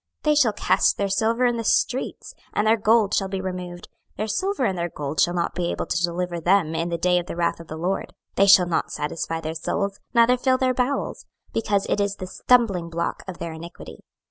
26:007:019 They shall cast their silver in the streets, and their gold shall be removed: their silver and their gold shall not be able to deliver them in the day of the wrath of the LORD: they shall not satisfy their souls, neither fill their bowels: because it is the stumblingblock of their iniquity.